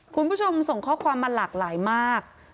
คุณผู้ชมส่งข้อความมาหลากหลายมาก